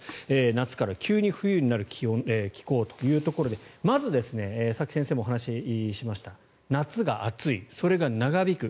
夏から急に冬になる気温、気候というところでまずさっき先生もお話ししました夏が暑いそれが長引く。